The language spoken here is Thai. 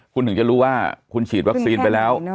คุณถึงจะรู้ว่าคุณฉีดวัคซีนไปแล้ว